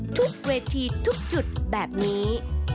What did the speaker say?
ทุกเวทีทุกจุดแบบนี้